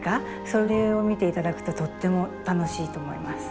それを見て頂くととっても楽しいと思います。